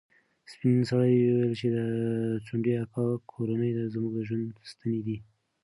سپین سرې وویل چې د ځونډي اکا کورنۍ زموږ د ژوند ستنې دي.